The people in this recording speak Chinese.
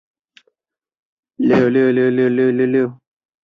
与中国上层人士关系密切。